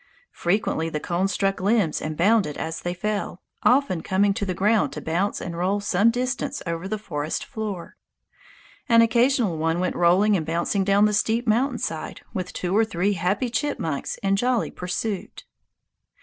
Frequently the cones struck limbs and bounded as they fell, often coming to the ground to bounce and roll some distance over the forest floor. An occasional one went rolling and bouncing down the steep mountain side with two or three happy chipmunks in jolly pursuit.